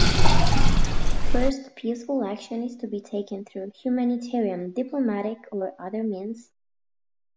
First peaceful action is to be taken through humanitarian, diplomatic, or other means.